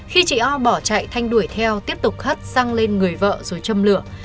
khi chị o bỏ chạy thanh đuổi theo tiếp tục hất xăng lên người vợ rồi châm lửa